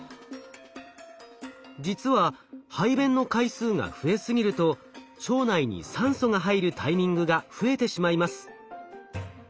実は排便の回数が増えすぎると腸内に酸素が入るタイミングが増えてしまいます。